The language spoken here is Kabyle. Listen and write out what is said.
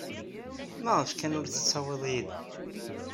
Maɣef kan ur t-tettawyeḍ yid-m?